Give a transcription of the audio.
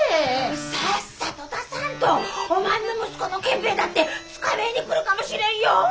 さっさと出さんとおまんの息子の憲兵だって捕めえに来るかもしれんよ！